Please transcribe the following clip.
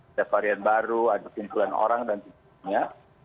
ada varian baru ada simpulan orang dan sebagainya